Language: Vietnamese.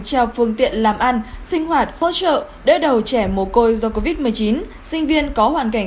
treo phương tiện làm ăn sinh hoạt hỗ trợ đỡ đầu trẻ mồ côi do covid một mươi chín sinh viên có hoàn cảnh